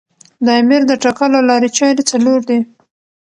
د امیر د ټاکلو لاري چاري څلور دي.